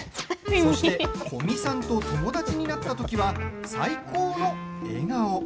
そして、古見さんと友達になったときは最高の笑顔。